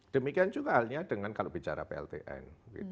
demikian juga halnya dengan kalau bicara pltn